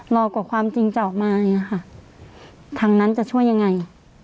รอกว่าความจริงจะออกมาอย่างนี้ค่ะทางนั้นจะช่วยยังไง